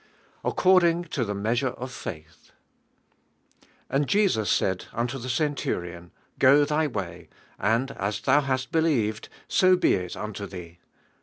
ACCORDING TO THE MEASURE OP FAITH And Jesus said unto the centurion, fto 11,. way; and as thou Imst believed, so be it unto Hue.